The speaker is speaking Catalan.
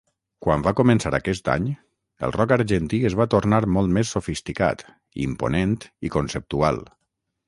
Quan va començar aquest any, el rock argentí es va tornar molt més sofisticat, imponent i conceptual.